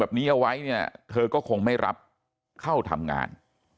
แบบนี้เอาไว้เนี่ยเธอก็คงไม่รับเข้าทำงาน